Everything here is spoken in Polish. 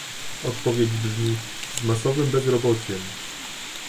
Odpowiedź brzmi - z masowym bezrobociem!